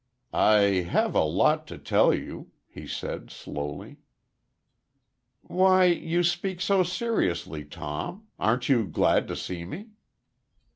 "I have a lot to tell you," he said, slowly. "Why, you speak so seriously, Tom. Aren't you glad to see me?"